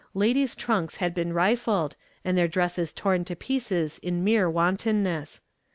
Ladies' trunks had been rifled, and their dresses torn to pieces in mere wantonness.